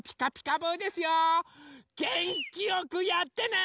げんきよくやってね！